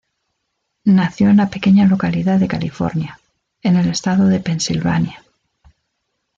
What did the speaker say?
Nació en la pequeña localidad de California, en el estado de Pensilvania.